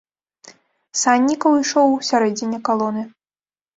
Саннікаў ішоў у сярэдзіне калоны.